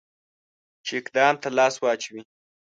چې اقدام ته لاس واچوي.